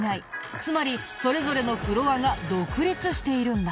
つまりそれぞれのフロアが独立しているんだ。